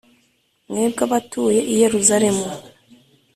mwebwe abatuye i Yeruzalemu,